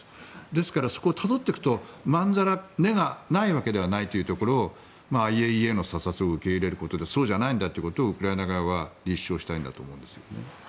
ですからそこをたどっていくとまんざら目がないわけではないということをＩＡＥＡの査察を受け入れることでそうじゃないんだということをウクライナ側は立証したいんだと思うんです。